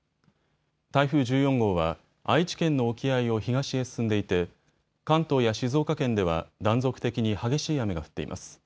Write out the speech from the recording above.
台風１４号は愛知県の沖合を東へ進んでいて関東や静岡県では断続的に激しい雨が降っています。